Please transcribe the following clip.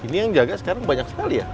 ini yang jaga sekarang banyak sekali ya